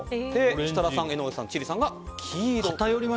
設楽さん、江上さん、千里さんが黄色。